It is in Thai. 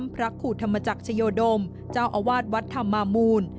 พระครูธรรมจักรชโยดมเจ้าอาวาสวัดธรรมามูล